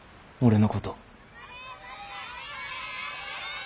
俺のこと。